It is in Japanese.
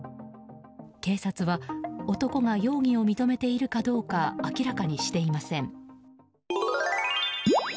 警察は男が容疑を認めているかどうか明らかにしていません。